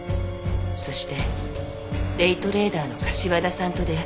そしてデイトレーダーの柏田さんと出会った。